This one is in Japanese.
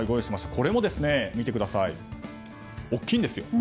これも大きいんですよ。